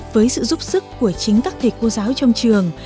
với sự giúp sức của chính các thầy cô giáo trong trường